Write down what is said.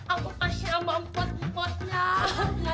aku kasih sama empat empatnya